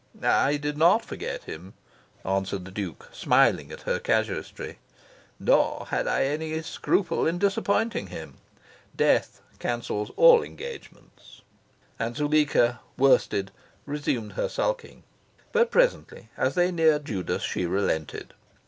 "I did not forget him," answered the Duke, smiling at her casuistry. "Nor had I any scruple in disappointing him. Death cancels all engagements." And Zuleika, worsted, resumed her sulking. But presently, as they neared Judas, she relented.